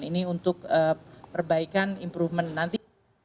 ini untuk perbaikan improvement nanti